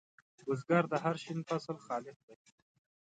بزګر د هر شین فصل خالق دی